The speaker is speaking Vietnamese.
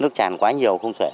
nước chản quá nhiều không sẻ